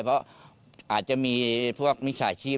เพราะอาจจะมีพวกมิจฉาชีพ